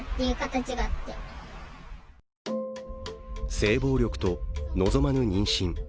性暴力と望まぬ妊娠。